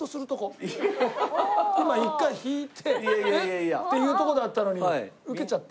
今一回引いて「え？」って言うとこだったのにウケちゃった？